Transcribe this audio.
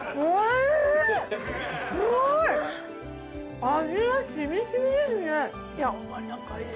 おいしい！